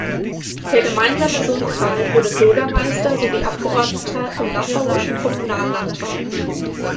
Der gemeinsame Sohn Karl wurde Bürgermeister sowie Abgeordneter im Nassauischen Kommunallandtag.